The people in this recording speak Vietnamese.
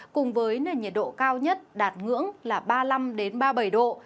cùng với nền nhiệt độ cao nhất đạt ngưỡng là ba mươi năm ba mươi bảy độ